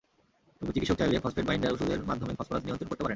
তবে চিকিৎসক চাইলে ফসফেট বাইন্ডার ওষুধের মাধ্যমে ফসফরাস নিয়ন্ত্রণ করতে পারেন।